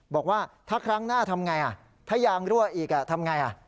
บอกว่าถ้าครั้งหน้าทำง่ายอ่ะถ้ายางรั่วอีกอ่ะทำง่ายอ่ะ